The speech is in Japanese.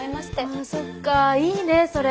ああそっかぁいいねそれ。